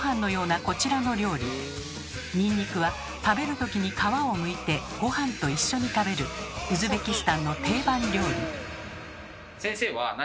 ニンニクは食べるときに皮をむいてごはんと一緒に食べるウズベキスタンの定番料理。